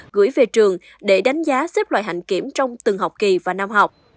gửi về trường để đánh giá xếp loại hãnh kiểm trong từng học kỳ và năm học